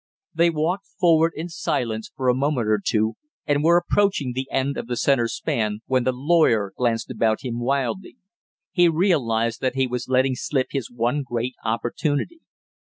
They walked forward in silence for a moment or two, and were approaching the end of the center span, when the lawyer glanced about him wildly; he realized that he was letting slip his one great opportunity.